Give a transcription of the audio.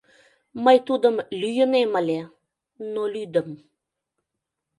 Мый тудым лӱйынем ыле, но лӱдым.